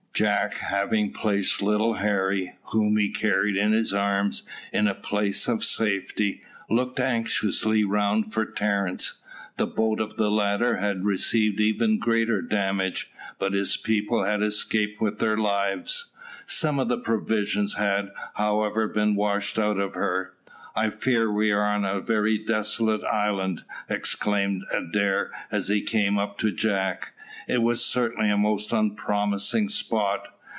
Jack having placed little Harry, whom he carried in his arms, in a place of safety, looked anxiously round for Terence. The boat of the latter had received even greater damage, but his people had escaped with their lives. Some of the provisions had, however, been washed out of her. "I fear we are on a very dissolute island," exclaimed Adair as he came up to Jack. It was certainly a most unpromising spot.